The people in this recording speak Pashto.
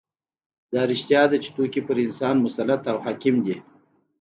دا رښتیا ده چې توکي پر انسان مسلط او حاکم دي